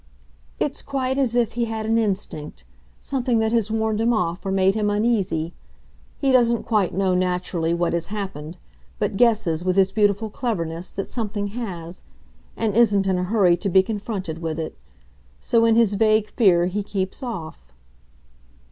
"It's quite as if he had an instinct something that has warned him off or made him uneasy. He doesn't quite know, naturally, what has happened, but guesses, with his beautiful cleverness, that something has, and isn't in a hurry to be confronted with it. So, in his vague fear, he keeps off."